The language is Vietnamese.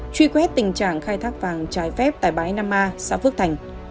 truy quét tình trạng khai thác vàng trái phép tại bãi nam ma xã phước thành